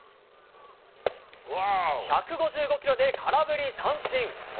１５５キロで空振り三振。